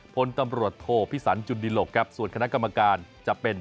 พลตำรวจโทพิสันจุนดิหลกครับส่วนคณะกรรมการจะเป็น